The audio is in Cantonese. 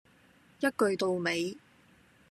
一句到尾